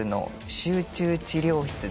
「集中治療室で」